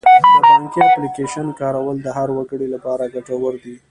د بانکي اپلیکیشن کارول د هر وګړي لپاره ګټور دي.